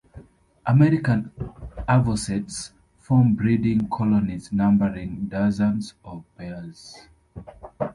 American avocets form breeding colonies numbering dozens of pairs.